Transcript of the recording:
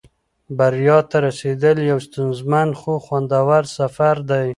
بریا ته رسېدل یو ستونزمن خو خوندور سفر دی.